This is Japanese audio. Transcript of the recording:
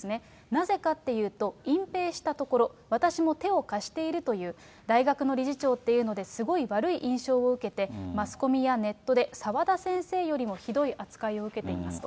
なぜかっていうと、隠ぺいしたところ、私も手を貸しているという、大学の理事長っていうのですごい悪い印象を受けて、マスコミやネットで澤田先生よりもひどい扱いを受けていますと。